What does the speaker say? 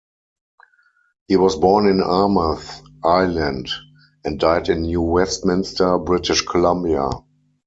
He was born in Armagh, Ireland and died in New Westminster, British Columbia.